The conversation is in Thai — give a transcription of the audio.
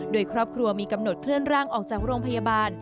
โดยครอบครัวมีกำหนดเคลื่อนร่างออกจากโรงพยาบาล